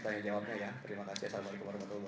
kan seperti itu